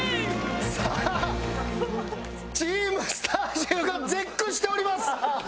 さあチームスターシェフが絶句しております！